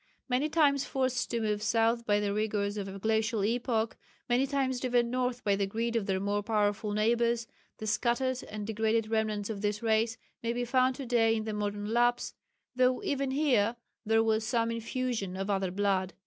Many times forced to move south by the rigours of a glacial epoch, many times driven north by the greed of their more powerful neighbours, the scattered and degraded remnants of this race may be found to day in the modern Lapps, though even here there was some infusion of other blood.